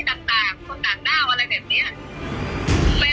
เราไม่เคยขับรถทางนี้เลย